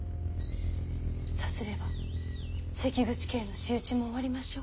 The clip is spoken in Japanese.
さすれば関口家への仕打ちも終わりましょう。